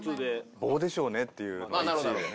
棒でしょうねっていう１位ね。